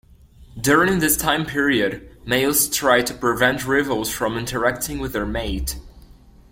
During this time period, males try to prevent rivals from interacting with their mate.